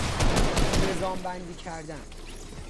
نظام بندی کردن